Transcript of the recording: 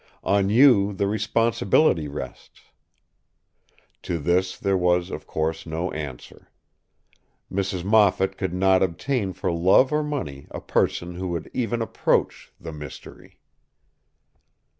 On you the responsibility rests.” To this there was, of course, no answer. Mrs. Moffat could not obtain for love or money a person who would even approach the Mystery.